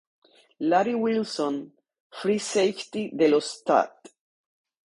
Larry Wilson, free safety de los St.